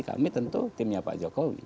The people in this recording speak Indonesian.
kami tentu timnya pak jokowi